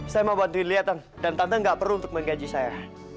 saya mau bantuin lihatan dan tante gak perlu untuk menggaji saya